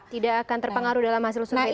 tidak akan terpengaruh dalam hasil survei itu